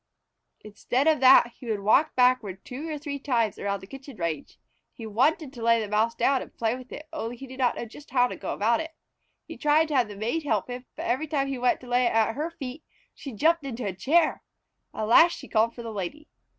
Instead of that he would walk backward two or three times around the kitchen range. He wanted to lay the Mouse down and play with it, only he did not know just how to go about it. He tried to have the Maid help him, but every time he went to lay it at her feet she jumped into a chair. At last she called for the Lady.